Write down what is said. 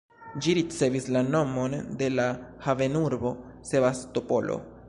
Ĝi ricevis la nomon de la havenurbo Sebastopolo.